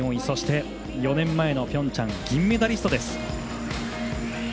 そして、４年前のピョンチャンの銀メダリストです。